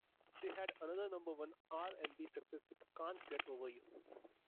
They had another number one R and B success with "Can't Get Over You".